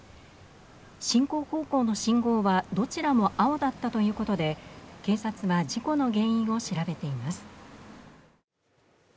進行方向の信号はどちらも青だったということで警察は事故の原因を調べています。